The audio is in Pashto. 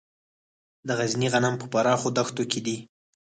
د غزني غنم په پراخو دښتو کې دي.